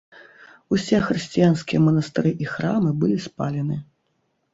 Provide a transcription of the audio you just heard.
Усе хрысціянскія манастыры і храмы былі спалены.